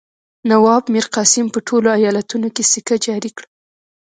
نواب میرقاسم په ټولو ایالتونو کې سکه جاري کړه.